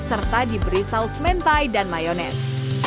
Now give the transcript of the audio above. serta diberi saus mentai dan mayonese